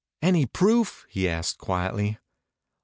"Any proof?" he asked quietly.